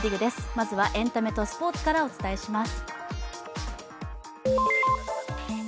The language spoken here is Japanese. まずはエンタメとスポーツからお伝えします。